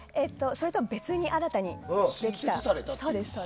それとは別に新たにできて。